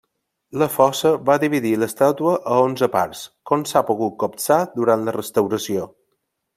La fosa va dividir l'estàtua a onze parts, com s'ha pogut copsar durant la restauració.